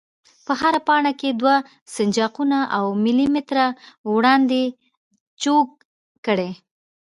په هره پاڼه کې دوه سنجاقونه او ملي متره وړاندې چوګ کړئ.